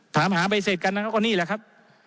ถามหาใบเสร็จกันนะครับก็นี่แหละครับ